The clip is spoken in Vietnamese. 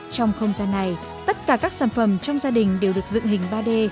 trong không gian này tất cả các sản phẩm trong gia đình đều được dựng hình ba d